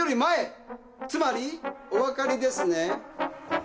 つまりお分かりですね？